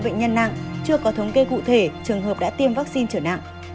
hai trăm hai mươi bệnh nhân nặng chưa có thống kê cụ thể trường hợp đã tiêm vaccine trở nặng